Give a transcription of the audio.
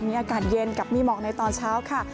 มีอากาศเย็นกับมีหมอกในตอนเช้าค่ะ